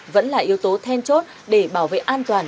vẫn là yếu tố then chốt để bảo vệ an toàn